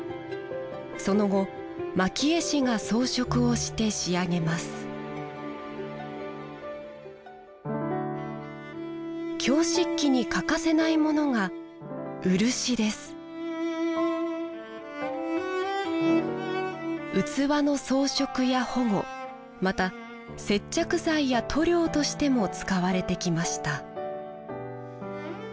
その後蒔絵師が装飾をして仕上げます京漆器に欠かせないものが器の装飾や保護また接着剤や塗料としても使われてきました